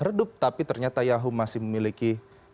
redup tapi ternyata yahoo masih memiliki